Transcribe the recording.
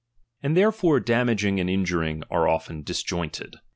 And therefore damaging and injuring are often disjoined.